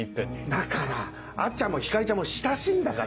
だからあっちゃんも光莉ちゃんも親しいんだから。